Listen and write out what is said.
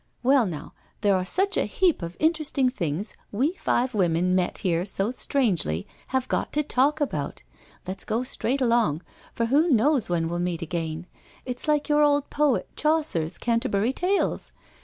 Well, now, there are such a heap of interest ing things we five women met here so strangely have got to talk about, let*s go straight along, for who knows when we*ll meet again. It*s like your old poet Chaucer's Canterbury Tales.